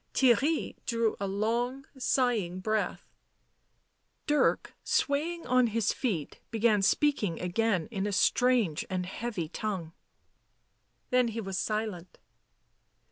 Theirry drew a long sighing breath ; Dirk, swaying on his feet, began speaking again in a strange and heavy tongue. Then he was silent.